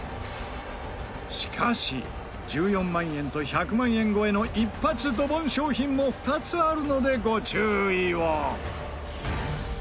しかし１４万円と１００万円超えの一発ドボン商品も２つあるのでご注意を。